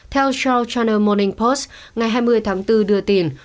theo charles channel morning post ngày hai mươi tháng bốn đưa tin